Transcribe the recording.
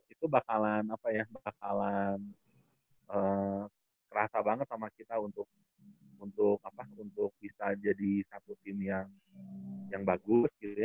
itu bakalan terasa banget sama kita untuk bisa jadi satu tim yang bagus gitu ya